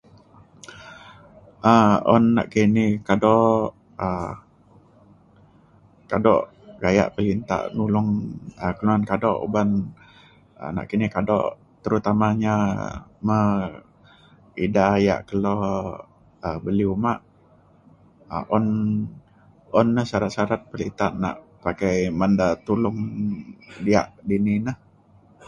um un nakini kado um kado gaya pelinta nulong kelunan kado uban um nakini kado terutamanya me ida ia' kelo um beli uma. um un un na syarat syarat perinta nak pakai menda- tulong diak dini na